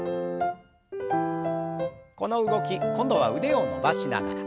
この動き今度は腕を伸ばしながら。